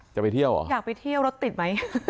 จะไปเที่ยวเหรออยากไปเที่ยวรถติดไหม